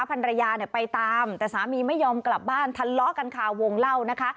ภรรยาเนี่ยไปตามแต่สามีไม่ยอมกลับบ้านทะเลาะกันคาวงเล่านะคะ